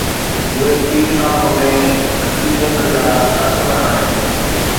اهي پير صاحب ۾ عقيدت جا قائل آهن.